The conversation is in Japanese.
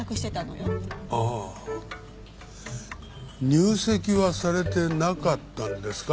入籍はされてなかったんですか？